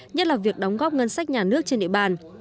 nhất là việc đóng góp ngân sách nhà nước trên địa bàn